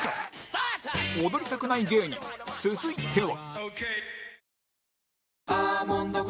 踊りたくない芸人続いては